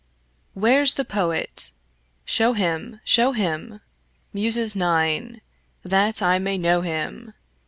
WHERE'S the Poet? show him! show him, Muses nine! that I may know him.